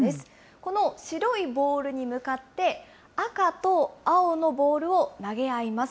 この白いボールに向かって、赤と青のボールを投げ合います。